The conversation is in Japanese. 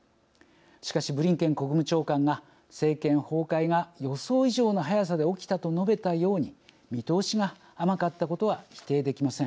しかしブリンケン国務長官が政権崩壊が予想以上の速さで起きたと述べたように見通しが甘かったことは否定できません。